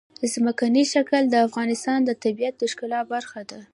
ځمکنی شکل د افغانستان د طبیعت د ښکلا برخه ده.